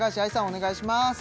お願いします